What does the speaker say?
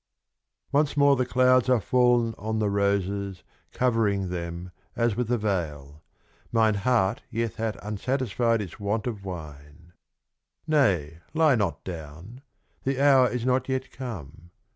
(223) Once more the Clouds are fall'n on the Roses, covering them as with a Veil. Mine Heart yet hath unsatisfied its Want of Wine. Nay, lie not down ; the Hour is not yet come.